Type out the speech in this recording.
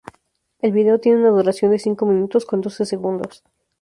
El video tiene una duración de cinco minutos con doce segundos.